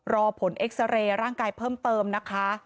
รอผลเอ็กซาเรย์ร่างกายเพิ่มเติมนะคะ